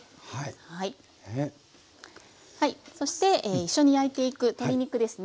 そして一緒に焼いていく鶏肉ですね